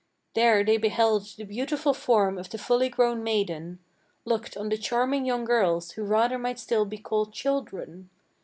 "There they beheld the beautiful form of the fully grown maiden, Looked on the charming young girls, who rather might still be called children.